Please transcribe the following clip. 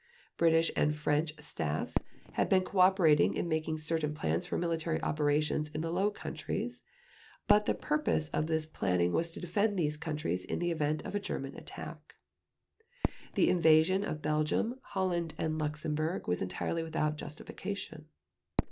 British and French staffs had been cooperating in making certain plans for military operations in the Low Countries, but the purpose of this planning was to defend these countries in the event of a German attack. The invasion of Belgium, Holland, and Luxembourg was entirely without justification.